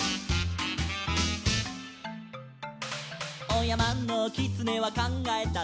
「おやまのきつねはかんがえた」